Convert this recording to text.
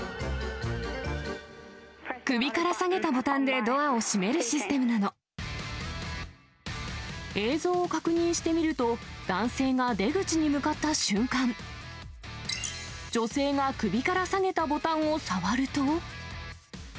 首から提げたボタンでドアを映像を確認してみると、男性が出口に向かった瞬間、女性が首から提げたボタンを触ると。